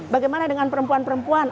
bagaimana dengan perempuan perempuan